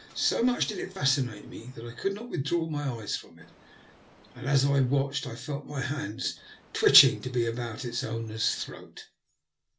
So much did it fascinate me that I could not withdraw my eyes from it, and as I watched I felt my hands twitching to be about its owner's throat.